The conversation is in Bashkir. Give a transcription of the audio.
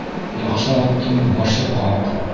Яҡшы аттың башы ҡаҡ.